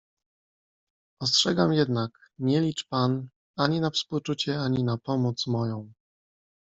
"Ostrzegam jednak, nie licz pan, ani na współczucie, ani na pomoc moją!"